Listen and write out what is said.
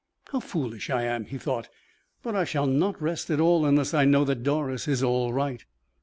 "How foolish I am," he thought; "but I shall not rest at all unless I know that Doris is all right."